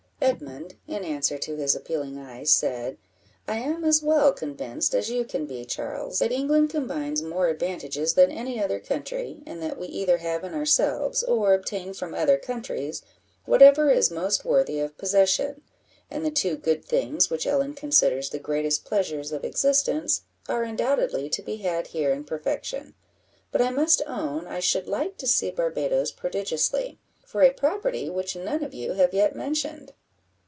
Edmund, in answer to his appealing eye, said "I am as well convinced as you can be, Charles, that England combines more advantages than any other country, and that we either have in ourselves, or obtain from other countries, whatever is most worthy of possession; and the two good things which Ellen considers the greatest pleasures of existence, are undoubtedly to be had here in perfection; but I must own I should like to see Barbadoes prodigiously, for a property which none of you have yet mentioned."